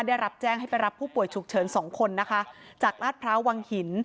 ได้รับแจ้งให้ไปรับผู้ป่วยฉุกเฉินสองคนนะคะจากลาดพร้าววังหิน